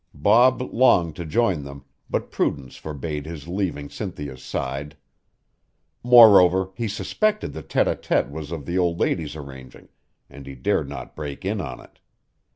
Bob longed to join them, but prudence forbade his leaving Cynthia's side. Moreover he suspected the tête à tête was of the old lady's arranging and he dared not break in on it.